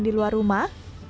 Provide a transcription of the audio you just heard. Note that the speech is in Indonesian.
di luar rumah